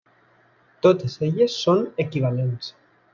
Totes elles són equivalents.